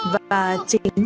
và chính là